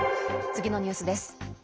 次のニュースです。